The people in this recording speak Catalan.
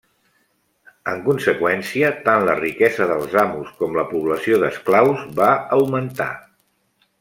En conseqüència, tant la riquesa dels amos com la població d'esclaus va augmentar.